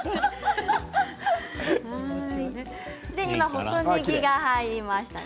細ねぎが入りましたね。